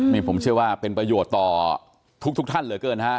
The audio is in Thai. นี่ผมเชื่อว่าเป็นประโยชน์ต่อทุกท่านเหลือเกินฮะ